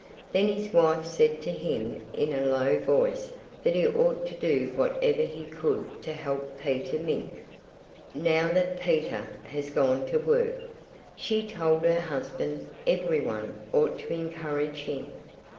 Then his wife said to him in a low voice that he ought to do whatever he could to help Peter Mink. "Now that Peter has gone to work," she told her husband, "everyone ought to encourage him.